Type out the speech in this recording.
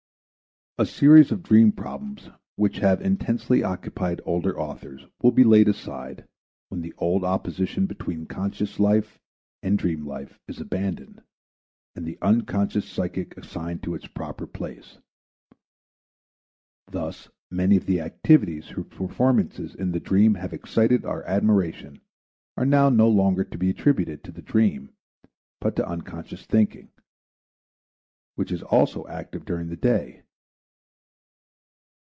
A series of dream problems which have intensely occupied older authors will be laid aside when the old opposition between conscious life and dream life is abandoned and the unconscious psychic assigned to its proper place. Thus many of the activities whose performances in the dream have excited our admiration are now no longer to be attributed to the dream but to unconscious thinking, which is also active during the day.